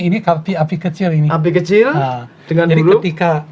ini api kecil ini api kecil dengan buruk